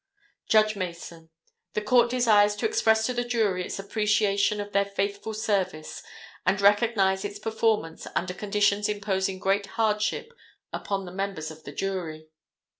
Judge Mason—The court desires to express to the jury its appreciation of their faithful service, and recognize its performance under conditions imposing great hardship upon the members of the jury.